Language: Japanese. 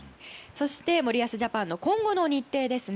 森保ジャパンの今後の日程です。